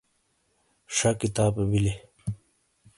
شہ کتاپے بیلئے۔